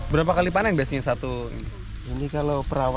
berapa kali panen biasanya satu ini kalau perawatan